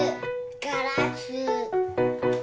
ガラス。